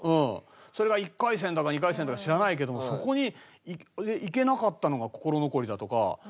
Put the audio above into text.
それが１回戦だか２回戦だか知らないけどもそこに行けなかったのが心残りだとか。